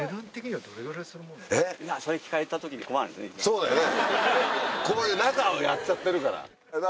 そうだよね。